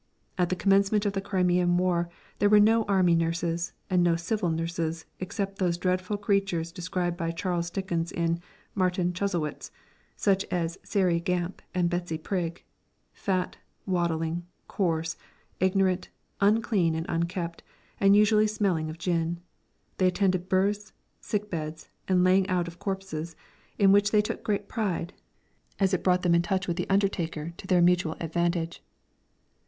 At the commencement of the Crimean War there were no Army nurses and no civil nurses, except those dreadful creatures described by Charles Dickens in "Martin Chuzzlewit," such as Sairey Gamp and Betsy Prig fat, waddling, coarse, ignorant, unclean and unkempt, and usually smelling of gin; they attended births, sick beds, and laying out of corpses, in which they took great pride, as it brought them in touch with the undertaker, to their mutual advantage.